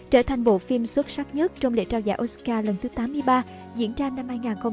trở thành bộ phim xuất sắc nhất trong lễ trao giải oscar lần thứ tám mươi ba diễn ra năm hai nghìn hai mươi